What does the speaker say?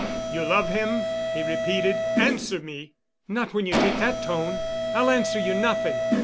"You love him?" he repeated. "Answer me!" "Not when you take that tone. I'll answer you nothing.